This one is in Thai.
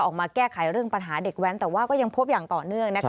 ออกมาแก้ไขเรื่องปัญหาเด็กแว้นแต่ว่าก็ยังพบอย่างต่อเนื่องนะคะ